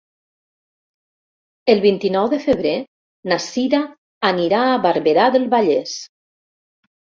El vint-i-nou de febrer na Cira anirà a Barberà del Vallès.